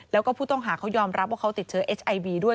แล้วก็ผู้ต้องหาเขายอมรับว่าเขาติดเชื้อเอสไอบีด้วย